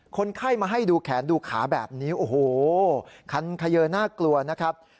คนไข้มาให้ดูแขนดูขาแบบนี้โอ้โหคันเขยอน่ากลัวนะครับ